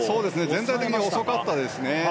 全体的に遅かったですね。